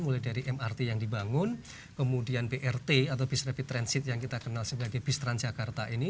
mulai dari mrt yang dibangun kemudian brt atau bus rapid transit yang kita kenal sebagai bus transjakarta ini